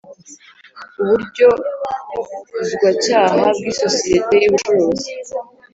Uburyozwacyaha bw isosiyete y ubucuruzi